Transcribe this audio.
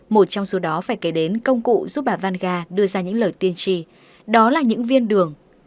một trong số đó phải kể đến công cụ giúp bà vanga đưa ra những lời tiên tri đó là những viên đường